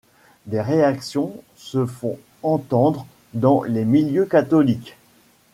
Des réactions se font entendre dans les milieux catholiques.